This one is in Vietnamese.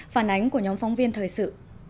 phản ánh của nhóm phóng viên thời sự